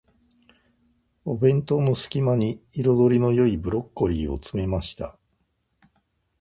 お弁当の隙間に、彩りの良いブロッコリーを詰めました。